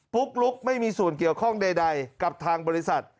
ุ๊กลุกไม่มีส่วนเกี่ยวข้องใดกับทางบริษัท